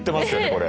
これ。